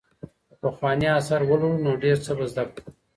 که پخواني آثار ولولو نو ډېر څه به زده کړو.